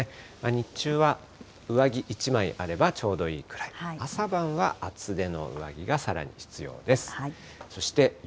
日中は上着１枚あればちょうどいいくらい、朝晩は厚手の上着がさらに必要です。